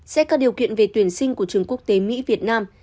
xét các điều kiện về tuyển sinh của trường quốc tế mỹ việt nam